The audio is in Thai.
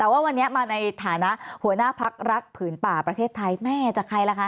แต่ว่าวันนี้มาในฐานะหัวหน้าพักรักผืนป่าประเทศไทยแม่จากใครล่ะคะ